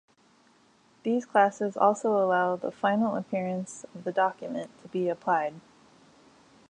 These classes also allow the final appearance of the document to be applied.